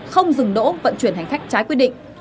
không dừng đỗ vận chuyển hành khách trái quy định